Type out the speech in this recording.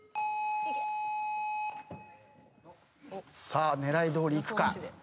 さあ狙いどおりいくか。